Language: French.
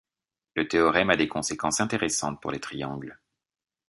Le théorème a des conséquences intéressantes pour les triangles.